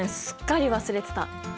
すっかり忘れてた！